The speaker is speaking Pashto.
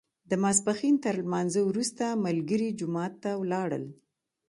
د ماسپښین تر لمانځه وروسته ملګري جومات ته ولاړل.